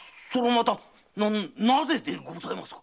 またなぜでございますか？